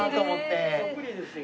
そっくりですよ。